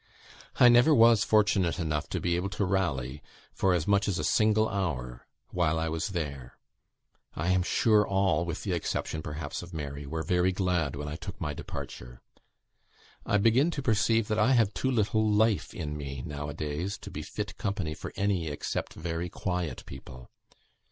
I never was fortunate enough to be able to rally, for as much as a single hour, while I was there. I am sure all, with the exception perhaps of Mary, were very glad when I took my departure. I begin to perceive that I have too little life in me, now a days, to be fit company for any except very quiet people.